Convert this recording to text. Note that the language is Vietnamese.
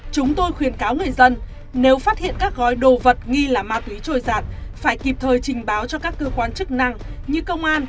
chúng tôi khuyến cáo người dân nếu phát hiện các gói đồ vật nghi là ma túy trôi giặt phải kịp thời trình báo cho các cơ quan chức năng như công an